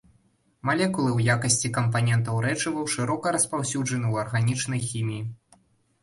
Малекулы ў якасці кампанентаў рэчываў шырока распаўсюджаны ў арганічнай хіміі.